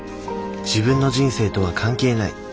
自分の人生とは関係ない。